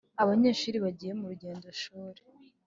Abanyeshuri bagiye mu rugendo shuri